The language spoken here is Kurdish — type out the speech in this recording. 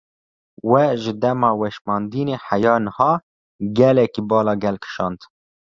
Vê ji dema weşandinê heya niha gelekî bala gel kîşand.